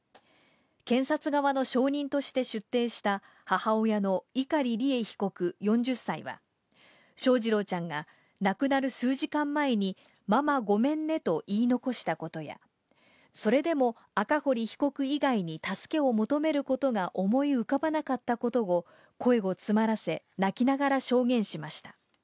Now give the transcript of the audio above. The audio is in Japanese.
検察側の証人として出廷した母親の碇利恵被告、４０歳は翔士郎ちゃんが亡くなる数時間前に、ママごめんねと言い残したことや、それでも赤堀被告以外に助けを求めることが思い浮かばなかったことを声を詰まらせ、泣きながら証言しました。